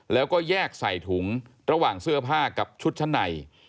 แล้วก็แยกใส่ถุงระหว่างเสื้อผ้ากับชุดชั้นใน